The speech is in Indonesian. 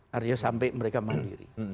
harusnya sampai mereka mandiri